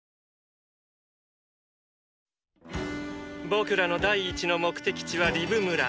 僕らの第一の目的地はリブ村。